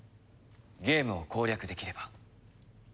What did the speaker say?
ゲームを攻略できれば。